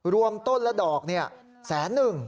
รวมต้นและดอก๑๐๑๐๐๐บาท